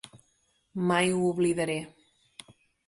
Mai ho oblidaré.